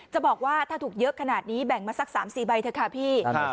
จะบอกว่าถ้าถูกเยอะขนาดนี้แบ่งมาสัก๓๔ใบเถอะค่ะพี่